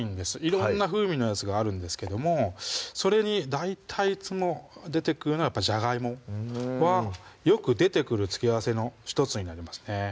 色んな風味のやつがあるんですけどもそれに大体いつも出てくるのはじゃがいもはよく出てくる付け合わせの１つになりますね